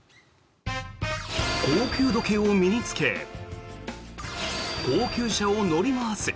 高級時計を身に着け高級車を乗り回す。